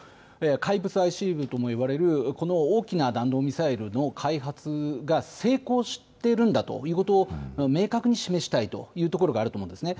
怪物ＩＣＢＭとも呼ばれるこの大きな弾道ミサイルの開発が成功してるんだということを明確に示したいというところがあると思うんですね。